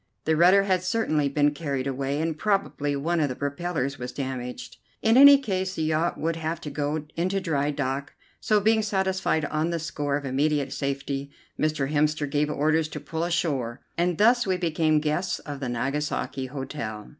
The rudder had certainly been carried away, and probably one of the propellers was damaged. In any case the yacht would have to go into dry dock; so, being satisfied on the score of immediate safety, Mr. Hemster gave orders to pull ashore, and thus we became guests of the Nagasaki Hotel.